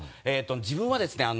自分はですね